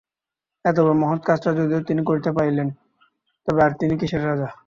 এত বড় মহৎ কাজটা যদি তিনি করিতে পারিলেন, তবে আর তিনি কিসের রাজা।